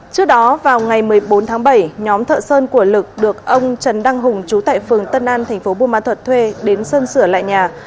trước đó vào ngày một mươi bốn tháng bảy nhóm thợ sơn của lực được ông trần đăng hùng chú tại phường tân an tp bùa mã thuật thuê đến sân sửa lại nhà